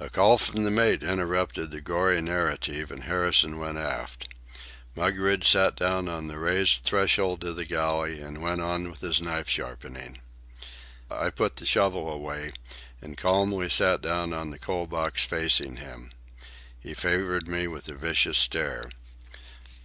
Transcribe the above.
A call from the mate interrupted the gory narrative, and Harrison went aft. Mugridge sat down on the raised threshold to the galley and went on with his knife sharpening. I put the shovel away and calmly sat down on the coal box facing him. He favoured me with a vicious stare.